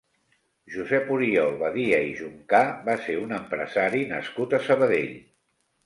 Josep Oriol Badia i Juncà va ser un empresari nascut a Sabadell.